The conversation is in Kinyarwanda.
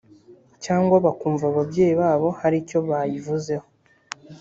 cyangwa bakumva ababyeyi babo hari icyo bayivuze ho